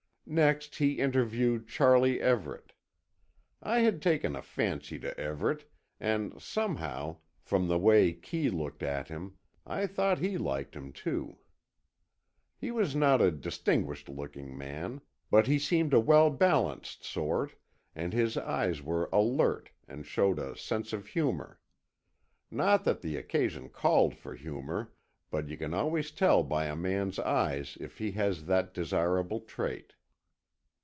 Next he interviewed Charlie Everett. I had taken a fancy to Everett, and somehow, from the way Kee looked at him, I thought he liked him, too. He was not a distinguished looking man, but he seemed a well balanced sort, and his eyes were alert and showed a sense of humour. Not that the occasion called for humour, but you can always tell by a man's eyes if he has that desirable trait.